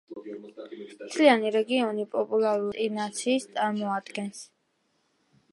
მთლიანი რეგიონი პოპულარულ ტურისტულ დესტინაციას წარმოადგენს.